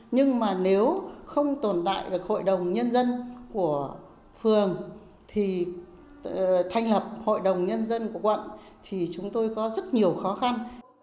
nhưng mà nếu không tồn tại được hội đồng nhân dân của phường thì thành lập hội đồng nhân dân của quận thì chúng tôi có rất nhiều khó khăn